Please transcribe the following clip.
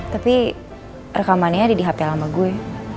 tapi rekamannya ada di hp sama gue